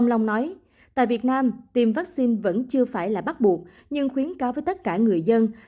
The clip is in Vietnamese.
ông long nói